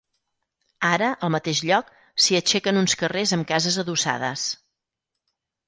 Ara, al mateix lloc, s'hi aixequen uns carrers amb cases adossades.